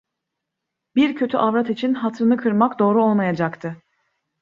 Bir kötü avrat için hatırını kırmak doğru olmayacaktı.